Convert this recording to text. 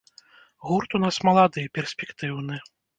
Гурт у нас малады, перспектыўны.